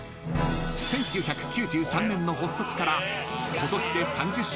［１９９３年の発足から］